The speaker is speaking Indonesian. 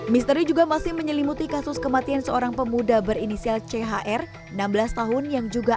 misteri juga masih menyelimuti kasus kematian seorang pemuda berinisial chr enam belas tahun yang juga